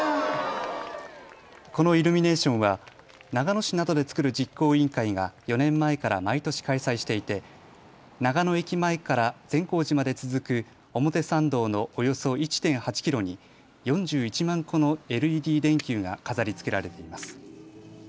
このイルミネーションは長野市などで作る実行委員会が４年前から毎年開催していて長野駅前から善光寺まで続く表参道のおよそ１．８キロに４１万個のＬＥＤ電球が飾りつけられています。